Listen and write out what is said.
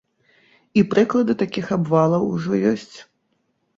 І прыклады такіх абвалаў ужо ёсць.